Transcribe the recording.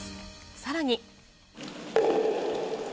さらに。